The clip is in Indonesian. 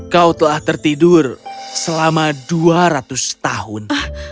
kau telah tertidur selama dua ratus tahun